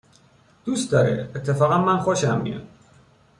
دوست داره، اتفاقاً من خوشم میاد